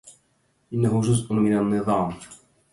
إنه جزء من النظام.